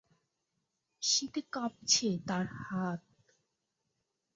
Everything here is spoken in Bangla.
শীতে কাঁপছে তার হাত।